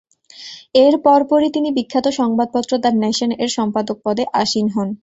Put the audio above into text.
এরপর পরই তিনি বিখ্যাত সংবাদপত্র "দ্য নেশন"-এর সম্পাদক পদে আসীন হন।